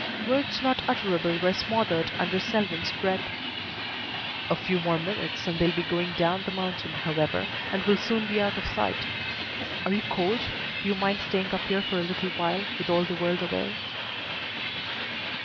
Words not utterable were smothered under Selwyn's breath. "A few more minutes and they'll be going down the mountain, however, and will soon be out of sight. Are you cold? Do you mind staying up here for a little while with all the world away?"